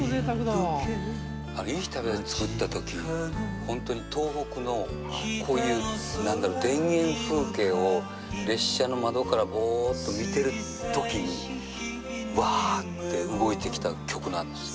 いい日旅立ち作ったとき、本当に東北のこういう、なんだろう田園風景を、列車の窓からぼーっと見てるときに、わーって動いてきた曲なんですよ。